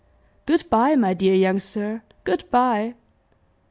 Good by, my dear young sir good bye!"